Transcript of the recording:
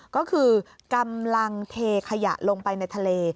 ก็คือกำลังเทขยะลงไปในทะเล